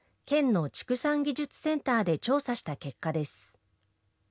県の畜産技術センターで調査した結果です。